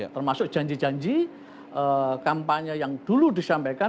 termasuk janji janji kampanye yang dulu disampaikan